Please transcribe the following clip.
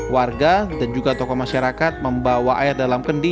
warga dan juga tokoh masyarakat membawa air dalam kendi